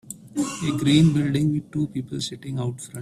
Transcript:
A green building with two people sitting out front.